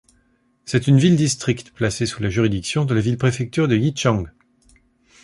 C'est une ville-district placée sous la juridiction de la ville-préfecture de Yichang.